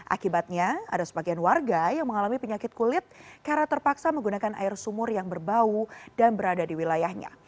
akibatnya ada sebagian warga yang mengalami penyakit kulit karena terpaksa menggunakan air sumur yang berbau dan berada di wilayahnya